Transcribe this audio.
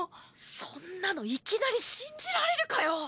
そんなのいきなり信じられるかよ！？